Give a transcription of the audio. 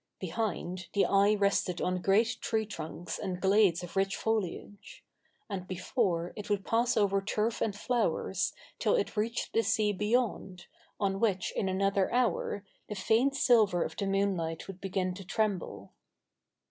Behind, the eye rested on great tree trunks and glades of rich foliage ; and before, it would pass over turf and flowers, till it reached the sea beyond, on which, in another hour, the faint silver of the moonlight would begin to tremble.